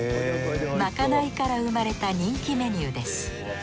まかないから生まれた人気メニューです。